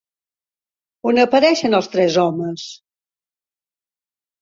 On apareixen els tres homes?